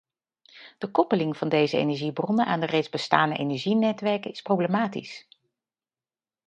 De koppeling van deze energiebronnen aan de reeds bestaande energienetwerken is problematisch.